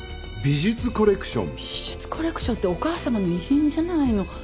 美術コレクションってお母さまの遺品じゃないの